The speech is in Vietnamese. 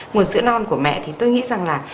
nguồn sữa non của mẹ thì tôi nghĩ rằng là